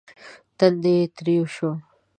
تندی يې تريو شو.